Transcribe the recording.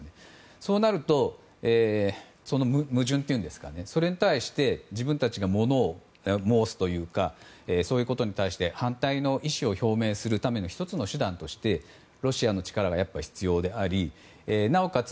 そうなると矛盾というかそれに対して自分たちが物申すというかそういうことに対して反対の意思を表明するための１つの手段としてロシアの力が必要でありなおかつ